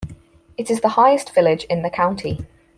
It is the highest village in the county.